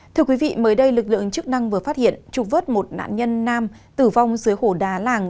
thưa quý vị mới đây lực lượng chức năng vừa phát hiện trục vớt một nạn nhân nam tử vong dưới hổ đá làng